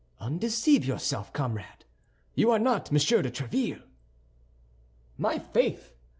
Undeceive yourself, comrade, you are not Monsieur de Tréville." "My faith!"